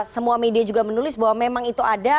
semua media juga menulis bahwa memang itu ada